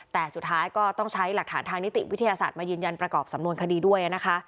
แต่สุดท้ายก็ต้องใช้หลักฐานทางนิติวิทยาศาสตร์มายืนยันประกอบสำนวนคดีด้วยนะคะ